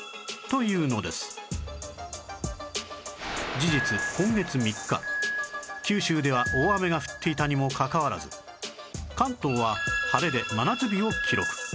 事実今月３日九州では大雨が降っていたにもかかわらず関東は晴れで真夏日を記録